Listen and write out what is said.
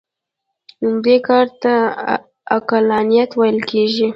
دې کار ته عقلانیت ویل کېږي.